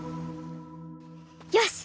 よし！